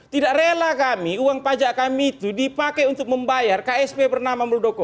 tidak rela kami uang pajak kami itu dipakai untuk membayar ksp bernama muldoko